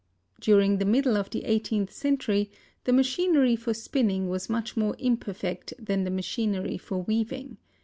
During the middle of the eighteenth century the machinery for spinning was much more imperfect than the machinery for weaving.